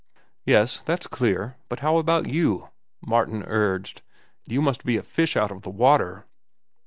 "Yes, that's clear; but how about you?" Martin urged. "You must be a fish out of the water."